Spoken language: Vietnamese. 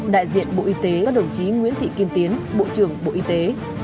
đại diện bộ y tế các đồng chí nguyễn thị kim tiến bộ trưởng bộ y tế